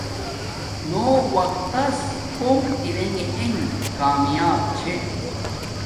نو وقت تس کوم ارݣ انݣ کاماپ چھے